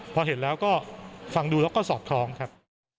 พอเห็นแล้วก็ฟังดูแล้วก็สอดคล้องครับ